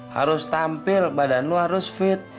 harus tampil badan lo harus fit